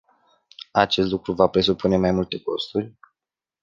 Acest lucru va presupune mai multe costuri?